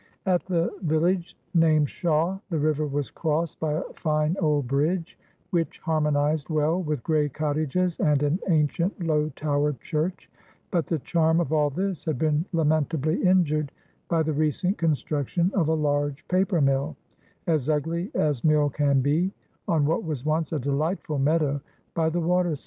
At the village named Shawe, the river was crossed by a fine old bridge, which harmonised well with grey cottages and an ancient low towered church; but the charm of all this had been lamentably injured by the recent construction of a large paper mill, as ugly as mill can be, on what was once a delightful meadow by the waterside.